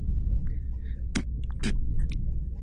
His parentage was Canadian.